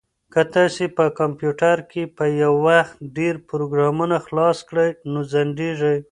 که تاسي په کمپیوټر کې په یو وخت ډېر پروګرامونه خلاص کړئ نو ځنډیږي.